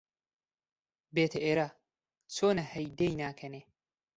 بێتە ئێرە، چۆنە هەی دێی ناکەنێ!؟